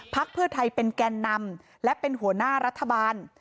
เพื่อไทยเป็นแกนนำและเป็นหัวหน้ารัฐบาล